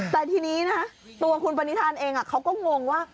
แต่ทีนี้นะตัวคุณปณิธานเองเขาก็งงว่า